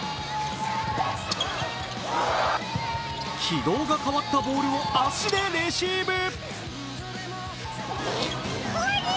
軌道が変わったボールを足でレシーブ。